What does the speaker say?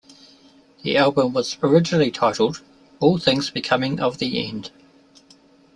The album was originally titled All Things Becoming of the End.